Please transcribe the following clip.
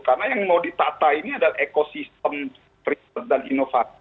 karena yang mau ditata ini adalah ekosistem freeport dan inovasi